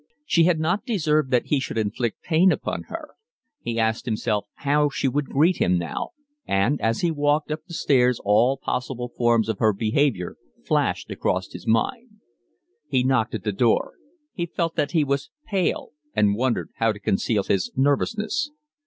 She had not deserved that he should inflict pain upon her. He asked himself how she would greet him now, and as he walked up the stairs all possible forms of her behaviour flashed across his mind. He knocked at the door. He felt that he was pale, and wondered how to conceal his nervousness.